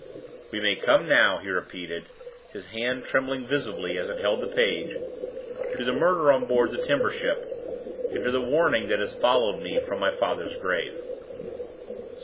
"We may come now," he repeated, his hand trembling visibly as it held the page, "to the murder on board the timber ship, and to the warning that has followed me from my father's grave."